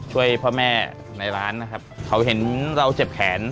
ช่วยพ่อแม่ในร้านนะครับเขาเห็นเราเจ็บแขน